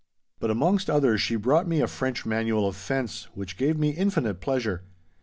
But amongst others she brought me a French manual of fence, which gave me infinite pleasure.